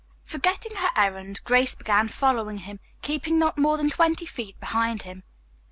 Forgetting her errand, Grace began following him, keeping not more than twenty feet behind him.